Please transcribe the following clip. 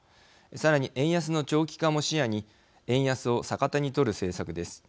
さらに、円安の長期化も視野に円安を逆手にとる政策です。